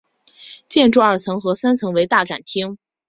建筑二层和三层为大展厅。